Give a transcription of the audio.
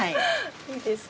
いいですか？